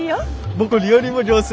僕料理も上手。